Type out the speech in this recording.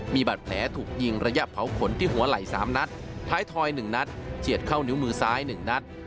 มีบาดแผลถูกยิงระยะเผาขนที่หัวไหล่๓นัดท้ายทอย๑นัดเฉียดเข้านิ้วมือซ้าย๑นัด